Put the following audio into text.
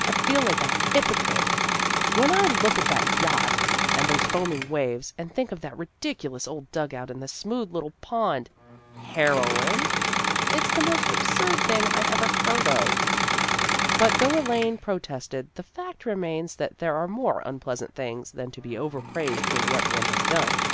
" I feel like a hypocrite, when I look at 338 THE GIRLS OF FRIENDLY TERRACE that yacht and those foaming waves, and think of that ridicuous old dug out and the smooth little pond. Heroine! It's the most absurd thing I ever heard of." But though Elaine protested, the fact remains that there are more unpleasant things than to be overpraised for what one has done.